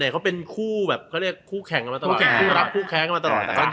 เขาเป็นคู่แข่งกันมาตลอด